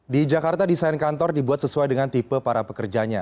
di jakarta desain kantor dibuat sesuai dengan tipe para pekerjanya